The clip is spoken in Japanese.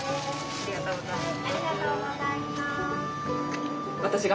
ありがとうございます。